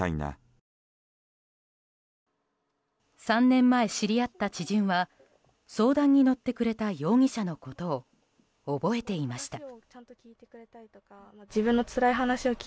３年前、知り合った知人は相談に乗ってくれた容疑者のことを覚えていました。